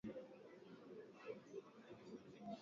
Sisi hatujui wala hatutambui unachosema